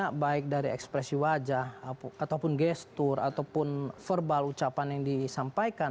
ini tentunya baik dari ekspresi wajah ataupun gesture ataupun verbal ucapan yang disampaikan